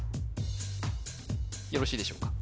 よろしいでしょうか